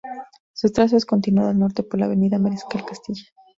Su trazo es continuado al norte por la avenida Mariscal Castilla.